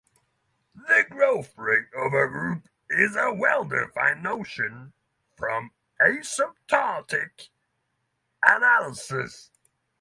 The growth rate of a group is a well-defined notion from asymptotic analysis.